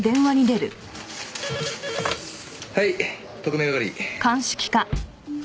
はい特命係。